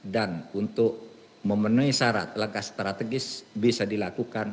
dan untuk memenuhi syarat langkah strategis bisa dilakukan